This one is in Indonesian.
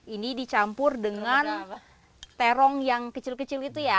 ini dicampur dengan terong yang kecil kecil itu ya